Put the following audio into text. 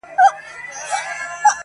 شرمنده ټول وزيران او جنرالان وه!.